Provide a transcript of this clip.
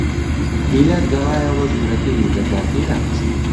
میلاد گەڕایەوە ژوورەکەی و دەرگاکەی داخست.